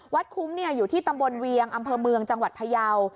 คุ้มอยู่ที่ตำบลเวียงอำเภอเมืองจังหวัดพยาว